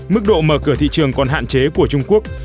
mức độ mở cửa thị trường còn hạn chế của trung quốc